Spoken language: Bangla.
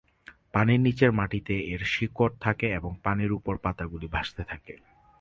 পানির নিচে মাটিতে এর শিকড় থাকে এবং পানির উপর পাতা গুলি ভাসতে থাকে।